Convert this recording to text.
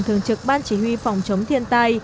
thường trực ban chỉ huy phòng chống thiên tai